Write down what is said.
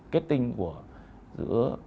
kết tinh của giữa